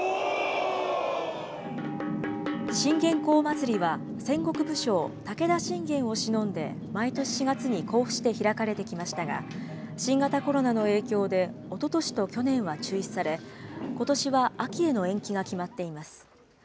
信玄公祭りは、戦国武将、武田信玄をしのんで毎年４月に甲府市で開かれてきましたが、新型コロナの影響でおととしと去年は中止され、ことしは秋への延期が決まっています。